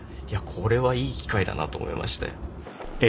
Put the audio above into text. これはいい機会だなと思いまして。